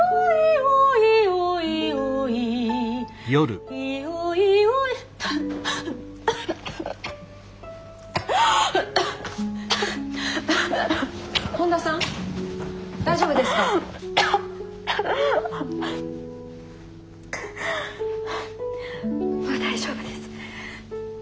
もう大丈夫です。